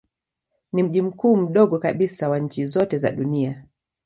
Ni mji mkuu mdogo kabisa wa nchi zote za dunia.